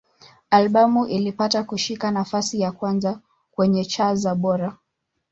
Albamu ilipata kushika nafasi ya kwanza kwenye cha za Bora.